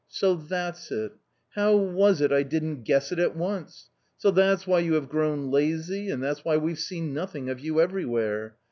" So, that's it ! How was it I didn't guess it at once ? So that's why you have grown lazy, and that's why we have seen nothing of you everywhere.